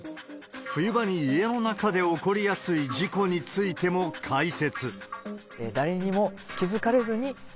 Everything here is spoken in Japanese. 冬場に家の中で起こりやすい事故についても解説。